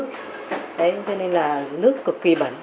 đấy cho nên là nước cực kỳ bẩn